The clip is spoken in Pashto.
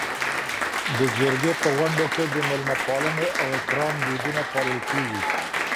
د جرګې په غونډو کي د میلمه پالنې او اکرام دودونه پالل کيږي.